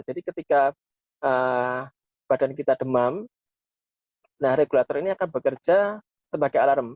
ketika badan kita demam nah regulator ini akan bekerja sebagai alarm